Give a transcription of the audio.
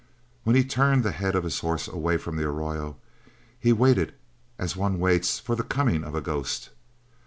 When he turned the head of his horse away from the arroyo, he waited as one waits for the coming of a ghost.